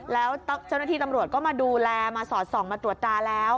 แล้วเจ้าหน้าที่ตำรวจก็มาดูแลมาสอดส่องมาตรวจตาแล้ว